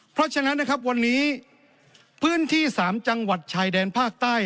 เพราะฉะนั้นนะครับวันนี้พื้นที่๓จังหวัดชายแดนภาคใต้